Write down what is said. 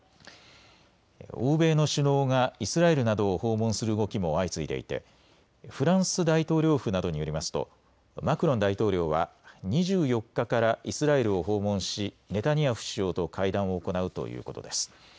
欧米の首脳がイスラエルなどを訪問する動きも相次いでいてフランス大統領府などによりますとマクロン大統領は２４日からイスラエルを訪問しネタニヤフ首相と会談を行うということです。